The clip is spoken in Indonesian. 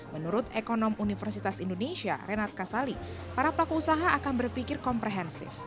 menurut ekonom universitas indonesia renat kasali para pelaku usaha akan berpikir komprehensif